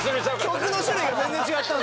曲の種類が全然違った。